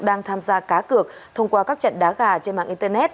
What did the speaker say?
đang tham gia cá cược thông qua các trận đá gà trên mạng internet